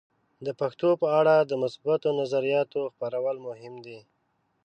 د پښتو په اړه د مثبتو نظریاتو خپرول مهم دي.